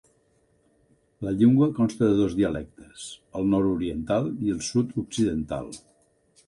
La llengua consta de dos dialectes, el nord-oriental i el sud-occidental.